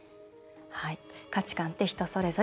価値感って人それぞれ。